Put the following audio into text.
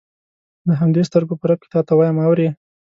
د همدې سترګو په رپ کې تا ته وایم اورې.